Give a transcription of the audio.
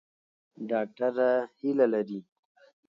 ډاکټره هیله لري.